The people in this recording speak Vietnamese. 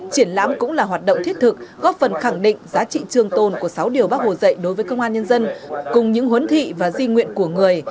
triển lãm cũng là hoạt động thiết thực góp phần khẳng định giá trị trường tồn của sáu điều bác hồ dạy đối với công an nhân dân cùng những huấn thị và di nguyện của người